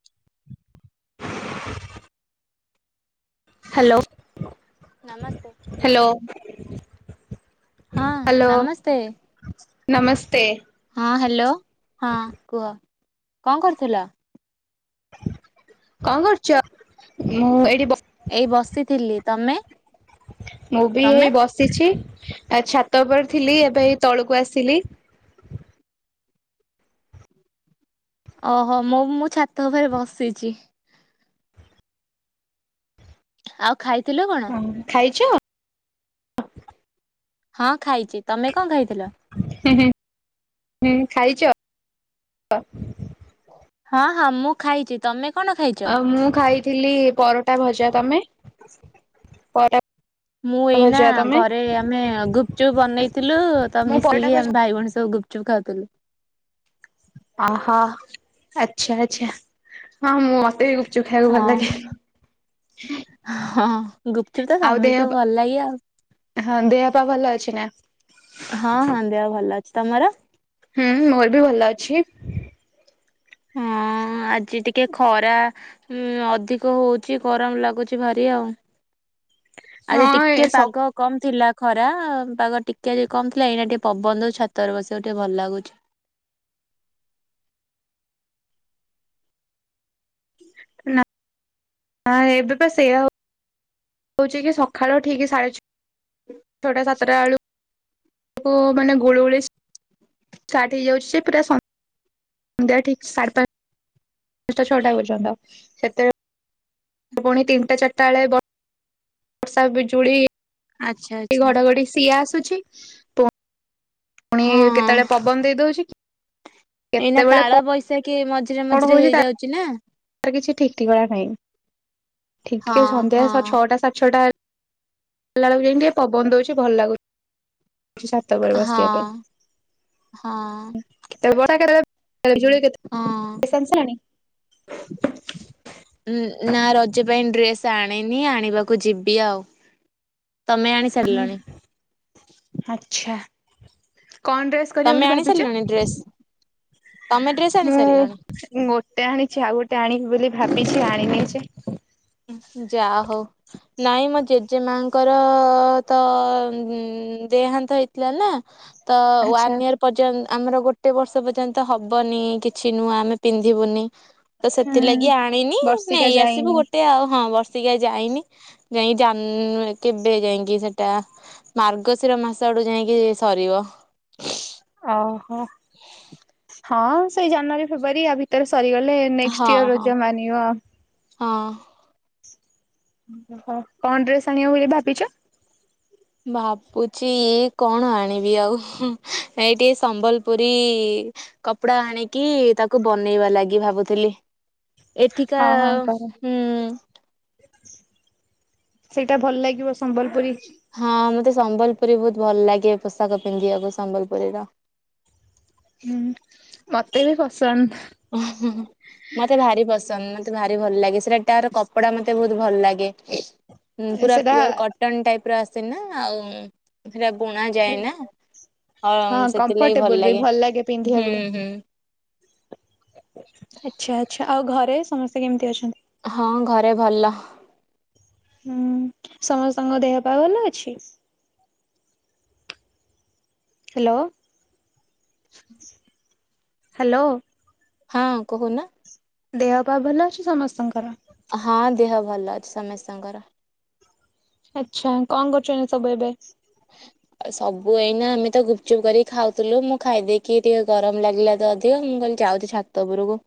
[inaudible] Hello ନମସ୍ତେ ହଁ hello ନମସ୍ତେ। ନମସ୍ତେ ହଁ ହାଲୋ ହଁ କୁହ କଣ କରୁଥିଲ। କଣ କରୁଛ ଏଇଠି ବସି ଏଇ ବସିଥିଲି ତମେ ମୁଁ ବି ତମେ? ଏଇ ବସିଛି ଛାତ ଉପରେ ଥିଲି ଏବେ ଏଇ ତଳକୁ ଆସିଲି। ଓହୋ ମୁ ମୁଁ ଛାତ ଉପରେ ବସିଛି। ଆଉ ଖାଇଥିଲ କଣ। ଖାଇଛ। ହଁ ଖାଇଛି। ତମେ କଣ ଖାଇଥିଲ? ହଁହୁଁହ ଖାଇଛ। ହଁ ହଁ ମୁଁ ଖାଇଛି। ତମେ କଣ ଖାଇଛ? ଆ ମୁଁ ଖାଇଥିଲି ପରଟା ଭଜା ତମେ ପରା ମୁଁ ଏଇନା ଘରେ ଆମେ ଗୁପଚୁପ୍ ବନେଇଥିଲୁ ତ ମୁଁ ପରଟା ମିଶିକି ଭଜା ଆମେ ଭାଇ ଭଉଣୀ ସବୁ ଗୁପଚୁପ। ଗୁପଚୁପ୍ ଖାଉଥୁଲୁ। ଓହୋ ଆଛା ଆଚ୍ଛା ହଁ ମୁଁ ମତେ ବି ଗୁପଚୁପ ଖାଇବାକୁ ହଁ ଭଲ ଲାଗେ। ହଁ ଗୁପଚୁପ୍ ତ ଆଉ ଦେହ ସମସ୍ତଙ୍କୁ ପା ଭଲ ଲାଗେ ଆଉ। ହଁ ଦେହ ପା ଭଲ ଅଛି ନା। ହଁ ହଁ ଦେହ ଭଲ ଅଛି ତମର? ହୁଁ ମୋର୍ ବି ଭଲ ଅଛି। ହଁ ଆଜି ଟିକେ ଖରା ଉଁ ଅଧିକ ହଉଛିି ଗରମ୍ ଲାଗୁଛି ଭାରି ଆଉ। ଆଜି ହଁ ଏ ଟିକେ ସ ପାଗ। କମ୍ ଥିଲା ଖରା ପାାଗ ଟିକେ କମ୍ ଥିଲା ଏଇନା ଟିକେ ପବନ ଛାତରେ ବସିବାକୁ ଟିକେ ଭଲ ଲାଗୁଛି। ନା। ହଁ ଏବେ ସେଇଆ ହଉ ହଉଛି କି ସକାଳୁ ଠିକ୍ ସାଢେ ଛଅଟା ସାତଟା ବେଳୁକୁ ମାନେ ଗୁଳୁଗୁଳି ଟା ଷ୍ଟାଟ ହେଇଯାଉଛି ପୁରା ସନ୍ ସନ୍ଧ୍ୟା ଠିକ୍ ସାଢ଼େ ପାଞ୍ଚ୍-ପାଞ୍ଚଟା ଛଅଟା ପର୍ଯ୍ୟନ୍ତ ସେତେବେଳେ। ପୁଣି ତିନିଟା ଚାରିଟା ବେଳେ ବ ବର୍ଷା ବିଜୁଳି ଆଚ୍ଛା ଆଚ୍ଛା। ଘଡ଼ଘଡି ସିଏ ଆସୁଛି। ପୁଣି ହଁ କେତେବେଳେ ପବନ ଦେଇଦଉଛି କି କେତେବେଳେ କଣ ସେ କି ମଝିରେ ମଝିରେ ହେଇଯାଉଛି ନା। ତ କିଛି ଠିକ୍ ଠିକଣା ନାଇଁ ଠି ହଁ ଟିକେ ସନ୍ଧ୍ୟା ହଁ। ଛଅଟା ସାଢ଼େ ଛଅଟା ଭଲ ଲାଗୁ ଯାଇ ଟିକେ ପବନ ଦଉଛି ଭଲ ଲାଗୁଛି ବର୍ଷା ହଁ ବସିବା ପାଇଁ ହଁ ବଷା [unintelligible] ହଁ। ନା ରଜ ପାଇଁ ଡ୍ରେସ୍ ଆଣିନି ଆଣିବାକୁ ଯିବି ଆଉ। ତମେ ଆଣି ସାରିଲଣି। ଆଛା କଣ ଡ୍ରେସ। କରିବ ତମେ ବୋଲି ଆଣି ଭାବିଛ ସାରିଲଣି ମୁଁ। ଡ୍ରେସ୍ ତମେ ଡ୍ରେସ୍ ଆଣି ସାରିଲଣି? ମୁଁ ଗୋଟେ ଆଣିଛି ଆଉ ଗୋଟେ ଆଣିବି ବୋଲି ଭାବିଛି ଆଣିନି ଯେ। ଯା ହୋଉ। ନାଇଁ ମୋ ଜେଜେ ମାଙ୍କର ତ ଦେହାନ୍ତ ହେଇଥିଲା ନା। ତ ଆଚ୍ଛା ୱାନ୍ ୟର। ପର୍ଯ୍ୟନ୍ତ ଆମର ଗୋଟେ ବର୍ଷ ପର୍ଯ୍ୟନ୍ତ ହବନି କିଛି ନୂଆଁ ଆମେ ପିନ୍ଧିବୁନି। ତ ହୁଁ ସେଥିଲାଗି ଆଣିନି ବର୍ଷିକା ନେଇ ଆସିବୁ ଯାଇନି। ଗୋଟେ। ଏତେ ଆଉ ହଁ ବର୍ଷିକିଆ ଯାଇନି ଯାଇକେବେ ଯାଇକି ସେଟା। ମାର୍ଗଶିର ମାସ ଆଡୁ ଯାଇକି ସରିବ। ଓହୋ ହଁ ସେଇ ଜାନୁଆରୀ ଫେବୃଆାରୀ ଆ ଭିତରେ ସରିଗଲେ। ନେକ୍ସଟ ଇୟର ହଁ, ରଜ ହଁ, ମାନିବ ଆଉ। ହଁ। ଓହୋ କଣ ଡ୍ରେସ୍ ଆଣିବ ବୋଲି ଭାବିଛ? ଭାବୁଛି କଣ ଆଣିବି ଆଉ ଏଇଠି ସମ୍ବଲପୁରୀ କପଡ଼ା ଆଣିକି ତାକୁ ବନେଇବା ଲାଗି ଭାବୁଥିଲି। ଏଠିକା ହଁ, ହଁ କର। ହୁଁ ସେଇଟା ଭଲ ଲାଗିବ ସମ୍ବଲପୁରୀ। ହଁ ମତେ ସମ୍ବଲପୁରୀ ବହୁତ ଭଲ ଲାଗେ ପୋଷାକ ପିନ୍ଧିବାକୁ ସମ୍ବଲପୁରୀର। ହୁଁ ମତେ ବି ପସନ୍ଦ। ହ ହୁଁ। ମତେ ଭାରି ପସନ୍ଦ ମତେ ଭାରି ଭଲ ଲାଗେ ସେଟା ତାର କପଡ଼ା ମତେ ବହୁତ ଭଲ ଲାଗେ। ପୁରା ସେଟା ପିଓର କଟନ ଟାଇପର ଆସେ ନା ଆଉ ସେଟା ବୁଣା ଯାଏ ନା। ହଁ କମ୍ଫର୍ଟେବୁଲ ବି ଭଲ ଲାଗେ ହୁଁ ପିନ୍ଧିବାକୁ। ହୁଁ। ଆଚ୍ଛା, ଆଚ୍ଛା ଆଉ ଘରେ ସମସ୍ତେ କେମିତି ଅଛନ୍ତି? ହଁ ଘରେ ଭଲ। ହୁଁ ସମସ୍ତଙ୍କ ଦେହ ପା ଭଲ ଅଛି? Hello, hello! ହଁ କହୁନା। ଦେହ ପା ଭଲ ଅଛି ସମସ୍ତଙ୍କର? ହଁ ଦେହ ଭଲ ଅଛି ସମସ୍ତଙ୍କର। ଆଚ୍ଛା କଣ କରୁଛନ୍ତି ଏବେ ସବୁ ଏବେ? ସବୁ ଏଇନା ଆମେ ତ ଗୁପଚୁପ କରିକି ଖାଉଥିଲୁ ମୁଁ ଖାଇଦେଇକି ଟିକେ ଗରମ ଲାଗିଲା ତ ଅଧିକ ମୁଁ କହିଲି ଯାଉଛି ଛା ଛାତ ଉପରକୁ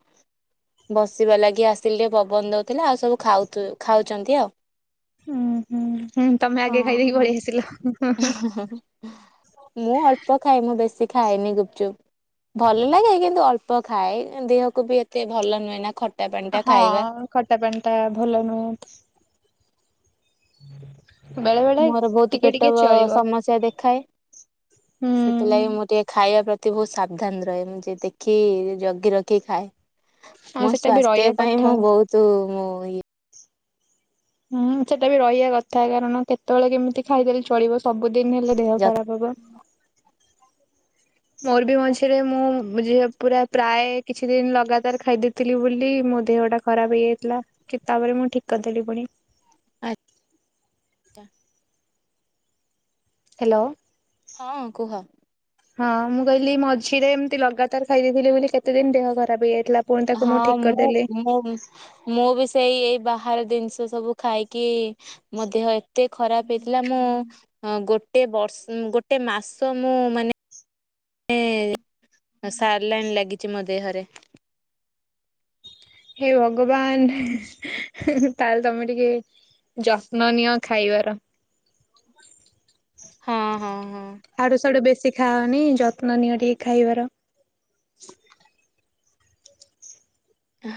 ବସିବା ଲାଗି ଆସିଲି ଟିକେ ପବନ ଦଉଥିଲା ଆଉ ସବୁ ଖାଉ- ଖାଉଛନ୍ତି ଆଉ। ଉୁଁ ହୁଁ, ହୁଁ, ତମେ ହଁ, ଆଗେ ଖାଇଦେଇକି ପଳେଇ ଆସିଲ। ହଁ। ମୁଁ ଅଳ୍ପ ଖାଏ ମୁଁ ବେଶୀ ଖାଏନି ଗୁପଚୁପ। ଭଲ ଲାଗେ କିନ୍ତୁ ଅଳ୍ପ ଖାଏ ଦେହକୁ ବି ଏତେ ଭଲ ନୁହେଁ ନା ଖ ହଁ ଖଟା ପଣି ଟା ଭଲ ନୁହେଁ। ବେଳେ ବେଳେ ମୋର ବହୁତ ଟିକେ ପେଟ ଟିକେ ଚଳିବ। ସମସ୍ୟା ଦେଖାଏ। ହୁଁ ସେଥିଲାଗି ମୁଁ ଟିକେ ଖାଇବା ଏତେ ବହୁତ ସାବଧାନ ରହେ ମୁଁ ଟିକେ ଦେଖି ଜଗି ରଖି ଖାଏ। ଆଉ ମୋ ସେଟା ବି ସ୍ଵାସ୍ଥ୍ୟ ରହିବା ପାଇଁ କଥା। ମୁଁ ବହୁତ ମୁଁ ଇଏ ହୁଁ ସେଟା ବି ରହିବା କଥା କାରଣ କେତେବେଳେ କେମିତି ଖାଇଦେଲେ ଚଳିବ ସବୁଦିନ ହେଲେ ଦେହ ଯ ଖରାପ ହବ। ମୋରବି ମଝିରେ ମୁଁ ଯି ପୁରା ପ୍ରାୟ କିଛି ଦିନ ଲଗାତାର ଖାଇଦେ ଥିଲି ବୋଲି ମୋ ଦେହଟା ଖରାପ ହେଇଯାଇଥିଲା କି ତାପରେ ମୁଁ ଠିକ୍ କରିଦେଲି ପୁଣି। ଆଚ୍ଛା। ହ୍ୟାଲୋ। ହଁ, କୁହ। ହଁ ମୁଁ କହିଲି ମଝିରେ ଏମିତି ଲଗାତାର ଖାଇ ଦେଇଥିଲି ବୋଲି କେତେ ଦିନ ଦେହ ଖରାପ ହେଇଯାଇଥିଲା। ପୁଣି ତାକୁ ମୁଁ ହଁ ଠିକ୍ କରିଦେଲି। ମୁଁ ମୁଁ ବି ସେଇ ଏଇ ବାହାରେ ଜିନିଷ ସବୁ ଖାଇକି ମୋ ଦେହ ଏତେ ଖରାପ ହେଇଥିଲା ମୁଁ ହଁ ଗୋଟେ ବର୍ଷ ଗୋଟେ ମାସ ମୁଁ ମାନେ ନେ ସାଲାଇନ୍ ଲାଗିଛି ମୋ ଦେହରେ। ହେ ଭଗବାନ ତାହେଲେ ତମେ ଟିକେ ଯତ୍ନ ନିଅ ଖାଇବାର। ହଁ ହଁ ହଁ। ଆଡୁ ସାଡୁ ବେଶୀ ଖାଅନି ଯତ୍ନ ନିଅ ଟିକେ ଖାଇବାର।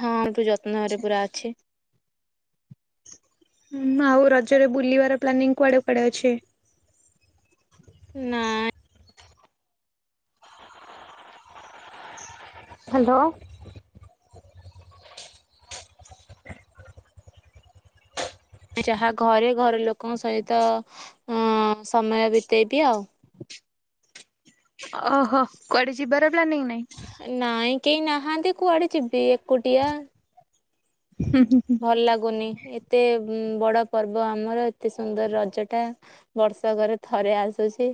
ହଁ ଏଠୁ ଯତ୍ନରେ ପୁରା ଅଛି। ହଁ ଆଉ ରଜରେ ବୁଲିବାର ପ୍ଲାନିଂ କୁଆଡ଼େ। କୁଆଡ଼େ ଅଛି। ନା। ହ୍ୟାଲୋ। ଯାହା ଘରେ ଘର ଲୋକଙ୍କ ସହିତ ଅ ସମୟ ବିତେଇ ଦିଏ ଆଉ। ଓହୋ କୁଆଡେ ଯିବାର ପ୍ଲାନିଂ ନାଇଁ। ନାଇଁ କେହି ନାହାନ୍ତି କୁଆଡେ ଯିବି ଏକୁଟିଆ। ହୁଁ ହୁଁ ହୁଁ। ଭଲ ଲାଗୁନି ଏତେ ବଡ ପର୍ବ ଆମର ଏତେ ସୁନ୍ଦର ରଜ ଟା। ବର୍ଷକରେ ଥରେ ଆସୁଚି।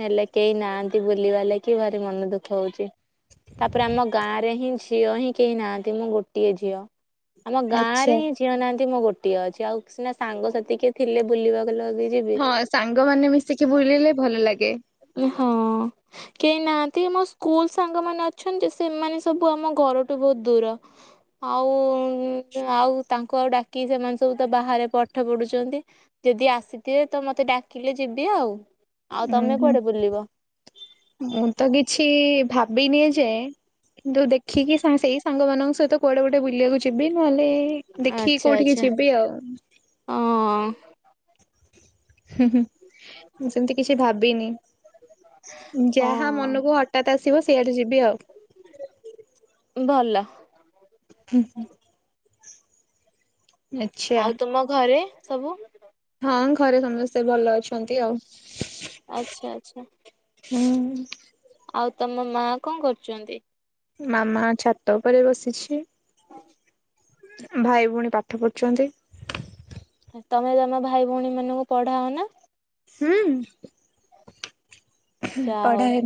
ହେଲେ କେହି ନାହାନ୍ତି ବୁଲିବା ଲାଗି ଭାରି ମନ ଦୁଃଖ ହଉଚି। ତାପରେ ଆମ ଗାଁ ରେ ହିଁ ଝିଅ ହିଁ କେହି ନାହାଁନ୍ତି ମୁଁ ଗୋଟିଏ ଝିଅ। ଗାଁରେ ଆଚ୍ଛା। ହିଁ ଝିଅ ନାହାନ୍ତି ମୁଁ ଗୋଟିଏ ଅଛି ଆଉ ସିନା ସାଙ୍ଗସାଥି କିଏ ଥିଲେ ବୁଲିବାକୁ ଲଗେଇ ହଁ ସାଙ୍ଗ ମାନେ ମିଶିକି ବୁଲିଲେ ଭଲ ଲାଗେ। ହଁ। କେହି ନାହାନ୍ତି ମୋ ସ୍କୁଲ ସାଙ୍ଗ ମାନ ଅଛନ୍ତି ସେମାନେ ସବୁ ଆମ ଘରଠୁ ବହୁତ ଦୂର। ଆଉ ଆଉ ତାଙ୍କୁ ଆଉ ଡାକି ସେମାନେ ସବୁ ତ ବାହାରେ ପାଠ ପଢୁଛନ୍ତି। ଯଦି ଆସିଥିବେ ତ ମତେ ଡାକିଲେ ଯିବି ଆଉ ଆଉ ଉଁ ତମେ ହୁଁ। କୁଆଡେ ବୁଲିବ। ମୁଁ ତ କିଛି ଭାବିନି ଏଯାଏଁ। କିନ୍ତୁ ଦେଖିକି ସା ସେଇ ସାଙ୍ଗମାନଙ୍କ ସହିତ କୁଆଡେ ଗୋଟେ ବୁଲିବାକୁ ଯିବି ନହେଲେ ଦେଖିକି ଆଚ୍ଛା କୋଉଠିକି ଆଚ୍ଛା। ଯିବି ଆଉ। ହଁ। ହୁଁ ହିଁ ମୁଁ ସେମିତି କିଛି ଭାବିନି। ଯାହା ହଁ ମନକୁ ହଠାତ ଆସିବ ସେଇଆଡେ ଯିବି ଆଉ। ଭଲ। ହୁଁ ହୁଁ। ଆଉ ତୁମ ଘରେ ସବୁ ହଁ ଘରେ ସମସ୍ତେ ଭଲ ଅଛନ୍ତି ଆଉ। ଆଚ୍ଛା ଆଚ୍ଛା। ହୁଁ। ଆଉ ତମ ମା କଣ କରୁଚନ୍ତି। ମାମା ଛାତ ଉପରେ ବସିଛି। ହଁ। ଭାଇ ଭଉଣୀ ପାଠ ପଢ଼ୁଚନ୍ତି। ତମେ ତମ ଭାଇ ଭଉଣୀ ମାନଙ୍କୁ ପଢାଅ ନା। ହୁଁ। ଯାହା ହଉ ପଢାଏ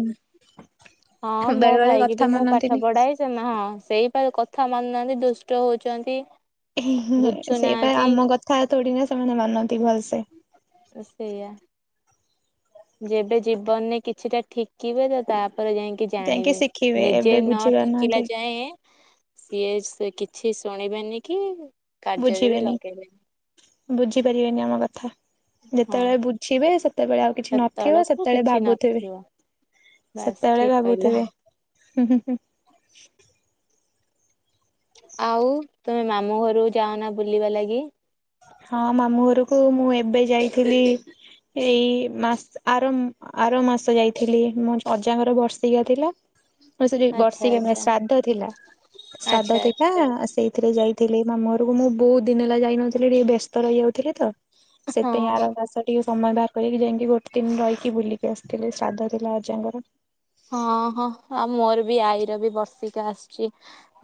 ହଁ ନି ମୋ ବେଳେ ବେଳେ ଭାଇ କି ବି କଥା ମୁଁ ପାଠ ମାନନ୍ତିନି। ପଢାଏ ସେ ନା ହଁ ସେଇପା କଥା ମାନୁନାହାନ୍ତି ଦୁଷ୍ଟ ହଉଚନ୍ତି। ସେଇପା ଆମ କଥା ଥୋଡି ନା ସେମାନେ ମାନନ୍ତି ଭଲସେ। ସେଇଆ। ଯେବେ ଜୀବନରେ କିଛିଟା ଠିକିବେ ତ ତାପରେ ଯାଇ କି ଯାଇକି ଜାଣିବେ। ଶିଖିବେ ନିଜେ ଏବେ ନ ବୁଝି ଠିକିଲା ପାରୁନାହାନ୍ତି ଯାଏ ସିଏ ସେ କିଛି ଶୁଣିବେନି କି କାର୍ଯ୍ୟରେ ବି ବୁଝିବେନି। ଲଗେଇବେନି ବୁଝିପାରିବେନି ଆମ କଥା। ହଁ ଯେତେବେଳେ ବୁଝିବେ ସେତେବେଳେ ଆଉ କିଛି ନଥିବ ସେତେବେଳକୁ ସେତେବେଳେ କିଛି ଭାବୁଥିବେ। ନଥିବ। ବାସ୍ ସେତେବେଳେ ଠିକ୍ କହିଲ ଭାବୁଥିବେ ହୁଁ ହୁଁ। ଆଉ ତମେ ମାମୁଁ ଘରୁକୁ ଯାଅନା ବୁଲିବା ଲାଗି? ହଁ ମାମୁଁ ଘରକୁ ମୁଁ ଏବେ ଯାଇଥିଲି। ଏଇ ମାସ ଆର ଆର ମାସ ଯାଇଥିଲି ମୋ ଅଜାଙ୍କର ବର୍ଷିକା ଥିଲା। ସେଠି ଆଚ୍ଛା ବର୍ଷିକା ନୁହଁ ଆଚ୍ଛା ଶ୍ରାଦ୍ଧ ଥିଲା ଆଚ୍ଛା ଶ୍ରାଦ୍ଧ ଆଚ୍ଛା ଥିଲା ସେଇଥିରେ ଯାଇ ଥିଲି। ମାମୁଁ ଘରକୁ ମୁଁ ବହୁତ ଦିନ ହେଲା ଯାଇ ନଥିଲି ଟିକେ ବ୍ୟସ୍ତ ରହି ଯାଉଥିଲି ତ। ସେଥିପାଇଁ ହଁ। ଆର ମାସ ଟିକେ ସମୟ ବାହାର କରିକି ଯାଇକି ଗୋଟେ ଦି ଦିନ ରହିକି ବୁଲିକି ଆସିଥିଲି ଶ୍ରାଦ୍ଧ ଥିଲା ଅଜାଙ୍କର ହଁ ହଁ ହଁ ମୋର ବି ଆଈର ବି ବର୍ଷିକିୟା ଆସୁଛି।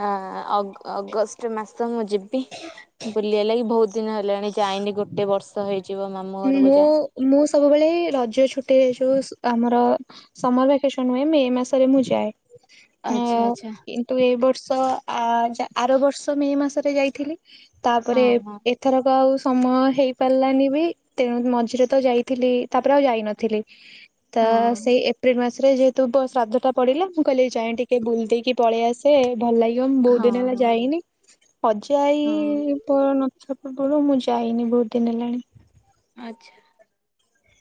ହ ଅଗ- ଅଗଷ୍ଟ ମାସ ମୁଁ ଯିବି ବୁଲିବାଲିକାକି ବହୁତ ଦିନ ହେଲାଣି ଯାଇନି ଗୋଟେ ବର୍ଷ ହେଇଯିବ ମୋର ହୁଁ ମୁଁ ମୁଁ ସବୁବେଳେ ଇଏଇ ରଜ ଛୁଟିରେ ଯୋଉ ଆମର ସମର ଭେକେସନ ହୁଏନି ମେ ମାସ ସେତେବେଳେ ମୁଁ ଆଚ୍ଛା ଆଚ୍ଛା ଯାଏ। ତୁ ଏ ବର୍ଷ ଆ-ଆର ବର୍ଷ ମେ ମାସରେ ଯାଇଥିଲି ହଁ ତାପରେ ଏ ହଁ ଏପ ଏଥରକ ଆଉ ସମୟ ହେଇ ପାରିଲାନି ବି। ତେଣୁ ମଝିରେ ତ ଯାଇଥିଲି ତାପରେ ଆଉ ଯାଇନଥିଲି ତ ହଁ ସେଇ ଏପ୍ରିଲ ମାସରେ ଯେ ତୁ ଶ୍ରାଦ୍ଧ ଟା ପଡିଲା ମୁଁ କହିଲି ଯାଏଁ ଟିକେ ବୁଲି ଦେଇକି ପଳେଇଆସେ ଭଲ ଲାଗି ଉଁ ମୁଁ ବହୁତ ହଁ ଦିନ ହେଲା ହଁ ଯାଇନି ଅଜା ଆଇ ହଁ ତ ନଥିବା ପୂର୍ବରୁ ମୁଁ ଯାଇନି ବହୁତ ଦିନ ହେଲାଣି। ଆଚ୍ଛା।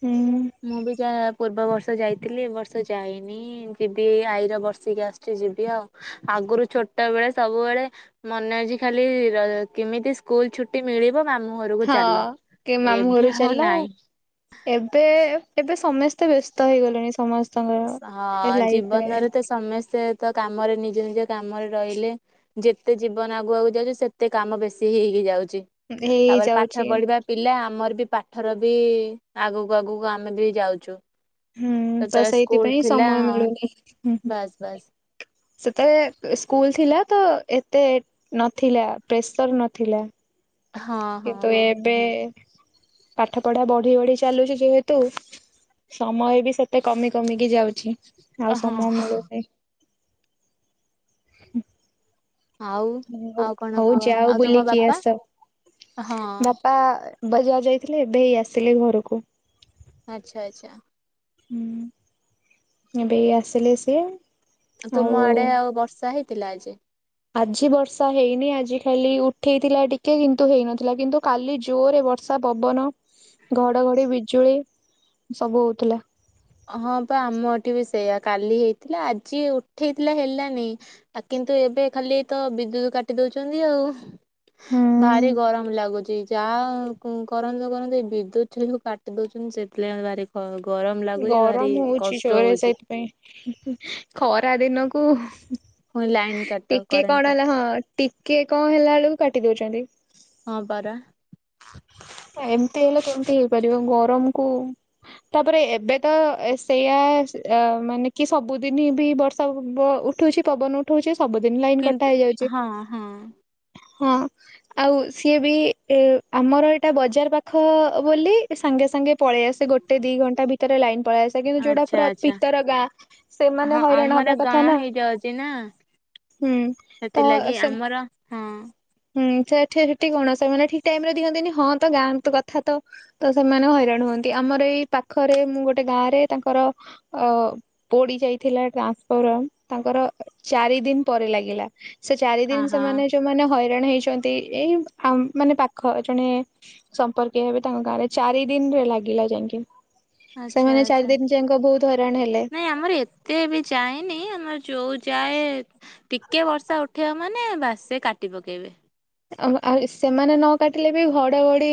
ହୁଁ। ମୁଁ ବି ଯାହା ପୂର୍ବ ବର୍ଷ ଯାଇଥିଲି ଏ ବର୍ଷ ଯାଇନି। ହୁଁ ଯିବି ଏଇ ଆଇର ବର୍ଷିକିୟା ଆସୁଛି ଯିବି ଆଉ ଆଗରୁ ଛୋଟ ବେଳେ ସବୁବେଳେ ମନେ ଅଛି ଖାଲି ର କେମିତି ସ୍କୁଲ ଛୁଟି ମିଳିବ ମାମୁଁ ଘରକୁ ହଁ ଚାଲ କେ ମାମୁଁ ଏବେ ଘରୁକୁ ଆଉ ଚାଲ। ନାହିଁ। ଏବେ ଏବେ ସମସ୍ତେ ବ୍ୟସ୍ତ ହେଇଗଲେଣି ସମ ଅଁ ଜୀବନରେ ତ ସମସ୍ତେ ତ କାମରେ ନିଜ ନିଜ କାମରେ ରହିଲେ। ଯେତେ ଜୀବନ ଆଗକୁ ଆଗକୁ ଯାଉଛି ସେତେ କାମ ବେଶୀ ହେଇ ହେଇ ଯାଉଛି ତାପରେ ହେଇଯାଉଛି ପାଠ ପଢିବା ପିଲା ଆମର ବି ପାଠର ବି ଆଗକୁ ଆଗକୁ ଆମେ ବି ଯାଉଚୁ। ହୁଁ ତ ସେତେବେଳେ ସ୍କୁଲ ସେଇଥିପାଇଁ ଥିଲା ସମୟ ହଁ ମିଳୁନି ହୁଁ ହୁଁ ବାସ୍ ବାସ୍। ସେତେବେଳେ ସ୍କୁଲ ଥିଲା ତ ଏତେ ନଥିଲା ପ୍ରେସର ନଥିଲା। ହଁ ହଁ କିନ୍ତୁ ହଁ ଏବେ ପାଠ ପଢା ବଢି ବଢି ଚାଲୁଛି ଯେହେତୁ ସମୟ ବି ସେତେ କମି କମିକି ଯାଉଛି ଆଉ ହଁ ସମୟ ମିଳୁନି। ଆଉ ଆଉ କଣ ହଉ କୁହ ଯାଅ ଆଉ ତୁମ ବୁଲିକି ବାପା ଆସ ହଁ ବାପା ବଜାର ଯାଇଥିଲେ ଏବେ ହେଇ ଆସିଲେ ଘରକୁ। ଆଚ୍ଛା ଆଚ୍ଛା। ହୁଁ ଏବେ ଏଇ ଆସିଲେ ସିଏ? ଆଉ ତୁମ ଆଡେ ଆଉ ବର୍ଷା ହେଇଥିଲା ଆଜି? ଆଜି ବର୍ଷା ହେଇନି ଆଜି ଖାଲି ଉଠେଇଥିଲା ଟିକେ କିନ୍ତୁ ହେଇନଥିଲା କିନ୍ତୁ କାଲି ଜୋରରେ ବର୍ଷା ବର୍ଷା, ପବନ, ଘଡ଼ଘଡ଼ି, ବିଜୁଳି ସବୁ ହଉଥିଲା। ହଁ ପା ଆମ ଏଠି ବି ସେଇୟା କାଲି ହେଇଥିଲା ଆଜି ଉଠେଇଥିଲା ହେଲାନି ଆ କିନ୍ତୁ ଏବେ ଖାଲି ତ ବିଦ୍ୟୁତ କାଟି ଦଉଚନ୍ତି ଆଉ। ହୁଁ। ଭାରି ଗରମ ଲାଗୁଛି ଯାହା କୁ କରନ୍ତୁ କରନ୍ତୁ ଏଇ ବିଦ୍ୟୁତ ସେ ଯୋଉ କାଟ କାଟି ଦଉଛନ୍ତି ସେଇଥିଲାଗି ମତେ ଭାରି ଖ ଗରମ ଲାଗ ଗରମ ହଉଛି ଜୋରେ ସେଇଥିପାଇଁ ଖରା ଦିନକୁ ହୁଁ। ପୁଣି ଲାଇନ କାଟ ଟିକେ କରେଣ୍ଟ କଣ କାଟ ହେଲ ହଁ ଟିକେ କଣ ହେଲା ବେଳକୁ କାଟି ଦଉଛନ୍ତି। ହଁ ପାରା। ଏମିତି ହେଲେ କେମତି ହେଇପାରିବ ଗରମକୁ। ତାପରେ ଏବେ ତ ଏ ସେଇଆ ମାନେ କି ସବୁଦିନ ବି ବର୍ଷା ବ ଉ ଉଠଉଛି ପବନ ଉଠଉଛି ସବୁଦିନ ଲାଇନ କିନ୍ତୁ କଟା ହେଇଯାଉଛି। ହଁ ହଁ ହଁ ଆଉ ସିଏ ବି ଏ ଆମର ଏଇଟା ବଜାର ପାଖ ବୋଲି ସାଙ୍ଗେ ସାଙ୍ଗେ ପଳେଇ ଆସ ସେ ଗୋଟେ ଦି ଘଣ୍ଟା ଭିତରେ ଲାଇନ ପଳେଇ ଆସେ କିନ୍ତୁ ଯୋଉ ଡା ଆଚ୍ଛା ପୁରା ଆଚ୍ଛା ଭିତର ଗାଁ ସେମାନେ ହଇରାଣ ହବା କଥା ନାଁ। ଇଏ ଅଛି ନା ତ ସେଥିଲାଗି ସେ ଆମର। ହଁ ହୁଁ ସେଠେ ସେଠି କଣ ସେମାନେ ଠିକ୍ ଟାଇମ ରେ ଦିଅନ୍ତିନି ହଁ ତ ଗାଁ ତ କଥା ତ। ତ ସେମାନେ ହଇରାଣ ହୁଅନ୍ତି ଆମର ଏଇ ପାଖରେ ମୁଁ ଗୋଟେ ଗାଁ ରେ ତାଙ୍କର ଅ। ପୋଡି ଯାଇଥିଲା ଟ୍ରାନ୍ସଫରମ ତାଙ୍କର ଚାରି ଦିନ ପରେ ଲାଗିଲା। ସେ ଚାରିଦିନ ଆହା ସେମାନେ ଯୋଉମାନେ ହଇରାଣ ହେଇଚନ୍ତି। ଏଇ ଆମ୍ ମାନେ ପାଖ ଜଣେ। ସମ୍ପର୍କୀୟ ହେବେ ତାଙ୍କ ଗାଁ ରେ ଚାରି ଦିନରେ ଲାଗିଲା ଯାଇକି। ଆଚ୍ଛା ସେମାନେ ଚାରି ଆଚ୍ଛା ଦିନଯାକ ବହୁତ ହଇରାଣ ହେଲେ। ନାଇଁ ଆମର ଏତେ ବି ଯାଏନି ଆମର ଯୋଉ ଯାଏ। ଟିକେ ବର୍ଷା ଉଠେଇବ ମାନେ ବାସ୍ ସେ କାଟି ପକେଇବେ। ଆମ ଆଉ ସେମାନେ ନ କାଟିଲେ ବି ଘଡଘଡି।